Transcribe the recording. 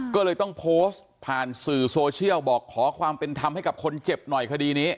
ก็เลยต้องโพสต์ผ่านสื่อโซเชียลบอกขอความเป็นธรรมให้กับคนเจ็บหน่อยคดีนี้